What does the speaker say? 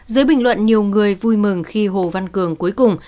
dưới bình luận nhiều người vui mừng khi hồ văn cường cuối cùng